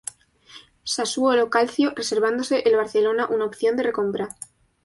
Sassuolo Calcio, reservándose el Barcelona una opción de recompra.